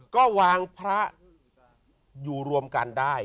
ก็วางพระอยู่รวมกันได้